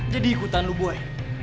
jadi ikutan lo boy